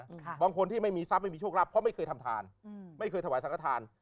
บางคนที่ไม่มีทรัพย์ไม่มีโชครับเพราะไม่เคยทำทานอืมไม่เคยถวายสังฆฐาน